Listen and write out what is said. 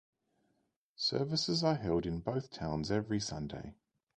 Services are held in both towns every Sunday.